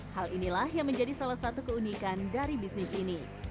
hal inilah yang menjadi salah satu keunikan dari bisnis ini